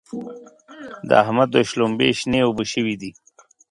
د احمد دوی شلومبې شنې اوبه شوې دي.